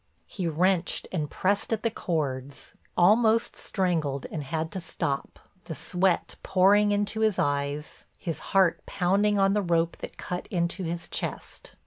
He wrenched and pressed at the cords, almost strangled and had to stop, the sweat pouring into his eyes, his heart pounding on the rope that cut into his chest.